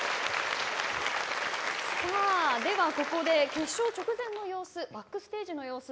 では、ここで決勝直前の様子バックステージの様子